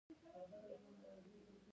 کاکړ د خپلې خاورې ساتنه کوي.